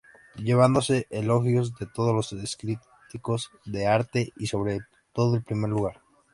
Llevándose elogios de todos los críticos de arte y sobre todo el primer lugar.